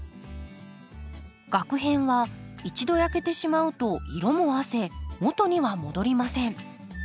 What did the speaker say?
がく片は一度焼けてしまうと色もあせ元には戻りません。